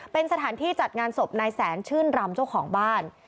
เป็นสถานที่จัดงานศพนายแสนชื่นรำเจ้าของบ้าน